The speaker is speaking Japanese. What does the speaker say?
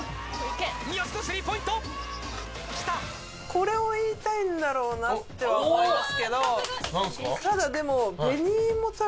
これを言いたいんだろうなとは思いますけど。